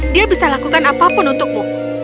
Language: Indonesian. dia bisa lakukan apapun untukmu